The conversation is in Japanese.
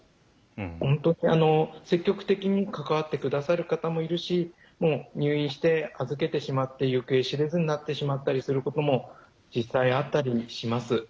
本当に積極的に関わってくださる方もいますし入院して預けてしまって行方知れずになってしまったりすることも実際あったりします。